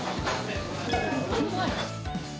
うまい！